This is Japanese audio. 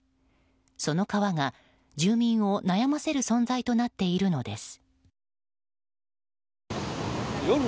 その川が住民を悩ませる存在となっているのです。